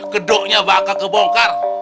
kedoknya bakal kebongkar